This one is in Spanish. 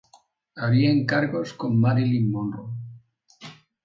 Haría encargos con Marilyn Monroe.